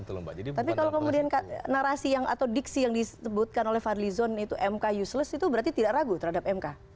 tapi kalau kemudian narasi yang atau diksi yang disebutkan oleh fadli zon itu mk useless itu berarti tidak ragu terhadap mk